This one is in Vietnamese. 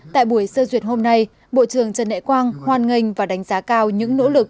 tại buổi sơ duyệt hôm nay bộ trưởng trần đại quang hoan nghênh và đánh giá cao những nỗ lực